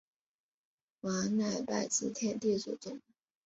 王乃拜辞天地祖宗。